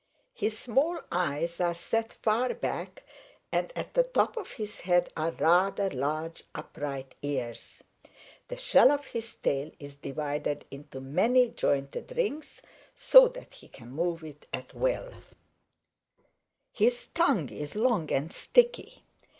His small eyes are set far back, and at the top of his head are rather large upright ears. The shell of his tail is divided into many jointed rings so that he can move it at will. "His tongue is long and sticky.